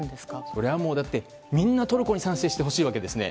それは、だってみんなトルコに賛成してほしいわけですね。